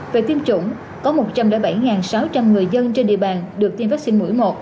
về tiêm chủng có một trăm linh bảy sáu trăm linh người dân trên địa bàn được tiêm vaccine mũi một